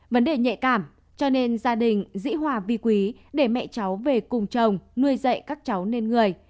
vấn đề nhạy cảm cho nên gia đình dĩ hòa vi quý để mẹ cháu về cùng chồng nuôi dạy các cháu nên người